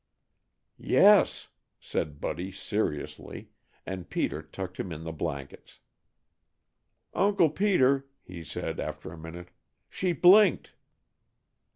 "Yes," said Buddy seriously, and Peter tucked him in the blankets. "Uncle Peter," he said, after a minute, "she blinked."